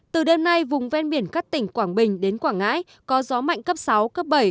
từ đêm nay vùng ven biển các tỉnh quảng bình đến quảng ngãi có gió mạnh cấp sáu cấp bảy